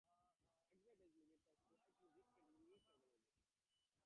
Exact age limits are slightly different in each organization.